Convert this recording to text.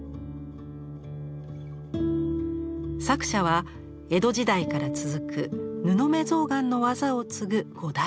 作者は江戸時代から続く布目象嵌の技を継ぐ５代目。